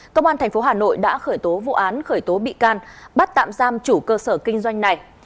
công an tp hà nội đã khởi tố vụ án khởi tố bị can bắt tạm giam chủ cơ sở kinh doanh này